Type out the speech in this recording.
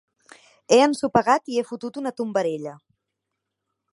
He ensopegat i he fotut una tombarella.